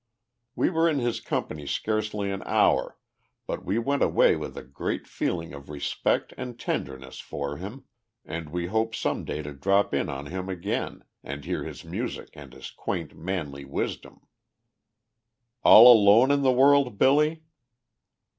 We were in his company scarcely an hour, but we went away with a great feeling of respect and tenderness for him, and we hope some day to drop in on him again, and hear his music and his quaint, manly wisdom. "All alone in the world, Billy?"